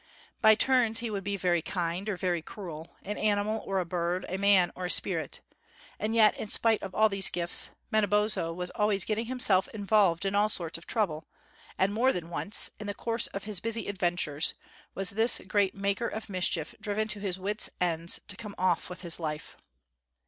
By turns he would be very kind, or very cruel; an animal or a bird; a man or a spirit. And yet, in spite of all these gifts, Manabozho was always getting himself involved in all sorts of troubles; and more than once, in the course of his busy adventures, was this great maker of mischief driven to his wits' ends to come off with his life.